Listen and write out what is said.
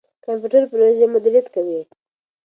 کمپيوټر پروژې مديريت کوي.